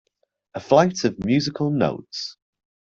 A flight of musical notes.